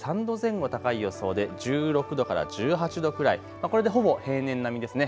きょうより３度前後高い予想で１６度から１８度くらい、これでほぼ平年並みですね。